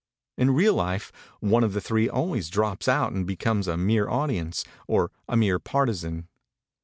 In real life one of the three always drops out and becomes a mere audience, or a mere partisan.